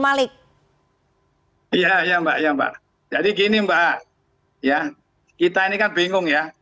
hai iya iya mbak ya mbak jadi gini mbak ya kita ini kan bingung ya jadi kita ini di sini ya kita ini kan bingung ya kita ini kan bingung ya